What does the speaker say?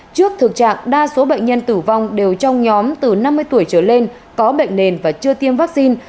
trước thực trạng đa số bệnh nhân tử vong đều trong nhóm từ năm mươi tuổi trở lên có bệnh nền và chưa tiêm vaccine